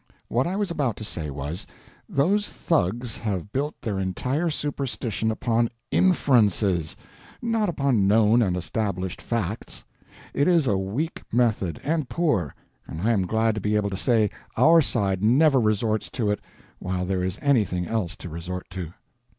What I was about to say was, those thugs have built their entire superstition upon inferences, not upon known and established facts. It is a weak method, and poor, and I am glad to be able to say our side never resorts to it while there is anything else to resort to.